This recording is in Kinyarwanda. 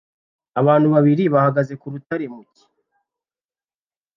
Abantu babiri bahagaze ku rutare mu cyi